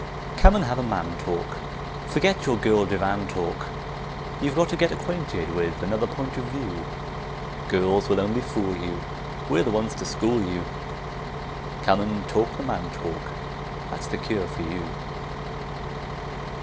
Come and have a man talk, Forget your girl divan talk; You've got to get acquainted with another point of view! Girls will only fool you; We're the ones to school you; Come and talk the man talk; that's the cure for you!